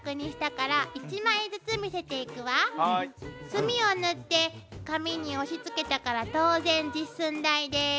墨を塗って紙に押しつけたから当然実寸大です。